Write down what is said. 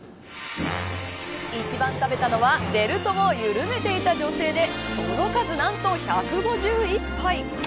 １番食べたのはベルトを緩めていた女性でその数なんと１５１杯。